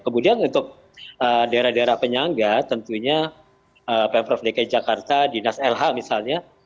kemudian untuk daerah daerah penyangga tentunya pemprov dki jakarta dinas lh misalnya